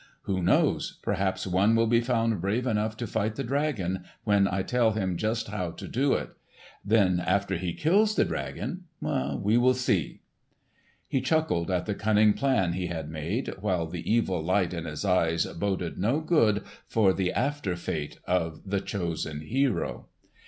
Who knows? Perhaps one will be found brave enough to fight the dragon, when I tell him just how to do it. Then after he kills the dragon—we will see!" He chuckled at the cunning plan he had made, while the evil light in his eyes boded no good for the after fate of the chosen hero.